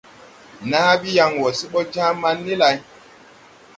Naa bi yaŋ wɔ se bɔ Jaaman ni lay.